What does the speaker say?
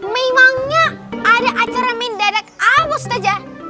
memangnya ada acara mendadak apa ustadzah